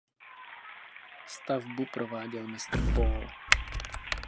Stavbu prováděl mistr Paul.